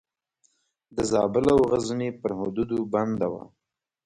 د زابل او غزني پر حدودو بنده وه.